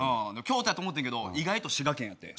京都やと思ってんけど意外と滋賀県やって。